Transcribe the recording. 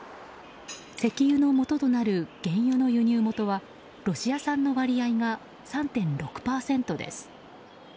石油のもととなる原油の輸入元はロシア産の割合が３．６％です。